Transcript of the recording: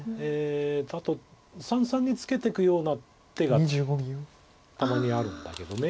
あと三々にツケていくような手がたまにあるんだけど。